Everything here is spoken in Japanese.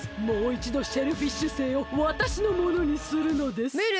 もういちどシェルフィッシュ星をわたしのものにするのです。